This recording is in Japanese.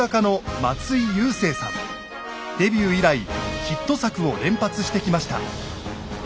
デビュー以来ヒット作を連発してきました。